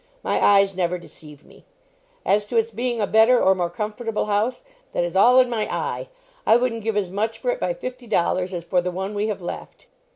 My eyes never deceive me. As to its being a better or more comfortable house, that is all in my eye. I wouldn't give as much for it, by fifty dollars, as for the one we have left."